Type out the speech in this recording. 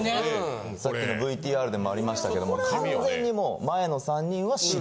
さっきのＶＴＲでもありましたけども完全にもう前の３人は白。